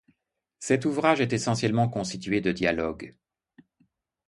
Cet ouvrage est essentiellement constitué de dialogues.